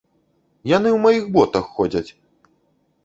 Яны ў маіх ботах ходзяць!